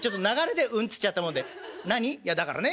「いやだからね